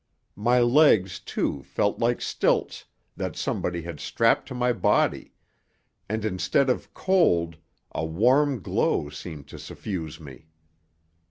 My legs, too, felt like stilts that somebody had strapped to my body, and, instead of cold, a warm glow seemed to suffuse me.